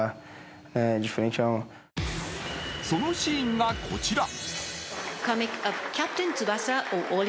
そのシーンがこちら。